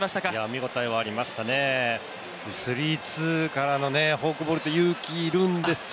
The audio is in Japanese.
見応えはありましたね、スリーツーからのフォークボールって勇気いるんですよ。